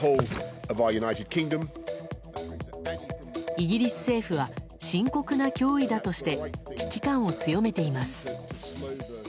イギリス政府は深刻な脅威だとして危機感を強めています。